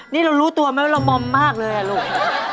นี่เรารู้ตัวไหมว่าเรามอมมากเลยอ่ะลูก